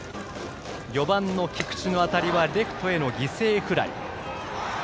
４番の菊池の当たりはレフトへの犠牲フライ。